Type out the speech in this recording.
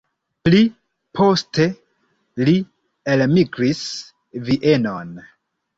Pli poste li elmigris Vienon.